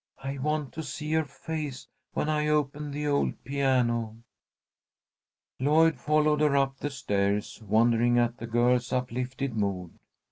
I want to see her face when I open the old piano." Lloyd followed her up the stairs, wondering at the girl's uplifted mood.